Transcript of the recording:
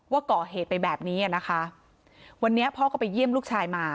ว่าก่อเหตุไปแบบนี้อ่ะนะคะวันนี้พ่อก็ไปเยี่ยมลูกชายมา